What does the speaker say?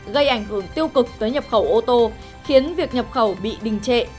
gây ảnh hưởng tiêu cực tới nhập khẩu ô tô khiến việc nhập khẩu bị đình trệ